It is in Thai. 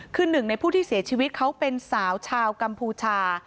คือหนึ่งในผู้ที่เสียชีวิตเขาเป็นสาวชาวกัมพูชา